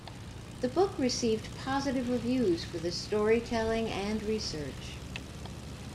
The book received positive reviews for the storytelling and research.